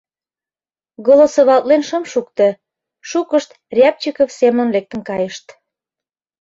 Голосоватлен шым шукто, шукышт Рябчиков семын лектын кайышт.